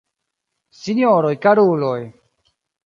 Sinjoroj, karuloj!